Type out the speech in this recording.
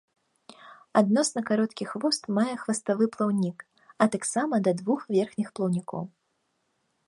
Адносна кароткі хвост мае хваставы плаўнік, а таксама да двух верхніх плаўнікоў.